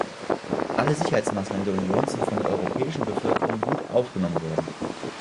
Alle Sicherheitsmaßnahmen der Union sind von der europäischen Bevölkerung gut aufgenommen worden.